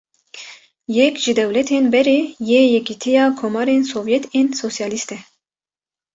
Yek ji dewletên berê yê Yekîtiya Komarên Sovyet ên Sosyalîst e.